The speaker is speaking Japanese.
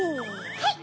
はい！